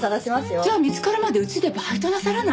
じゃあ見つかるまでうちでバイトなさらない？